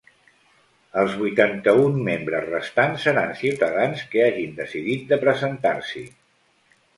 Els vuitanta-un membres restants seran ciutadans que hagin decidit de presentar-s’hi.